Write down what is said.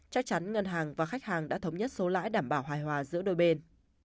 chắc chắn ngân hàng và khách hàng đã thống nhất số lãi đảm bảo hài hòa giữa đôi bên